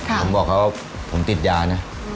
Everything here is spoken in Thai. ผมบอกเขาว่าผมติดยานะ